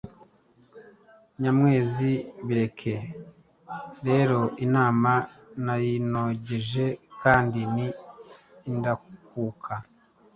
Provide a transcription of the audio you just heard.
Nyamwezi: Bireke rero inama nayinogeje kandi ni ndakuka.